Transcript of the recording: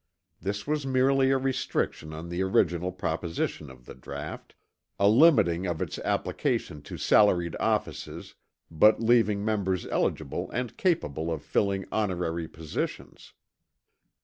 This was merely a restriction on the original proposition of the draught, a limiting of its application to salaried offices but leaving members eligible and capable of filling honorary positions.